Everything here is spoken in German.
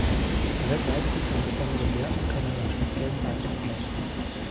Alle drei besitzen einen besonderen Wert und können einen speziellen Beitrag leisten.